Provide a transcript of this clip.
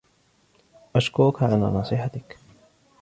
أشكرك على نصيحتك.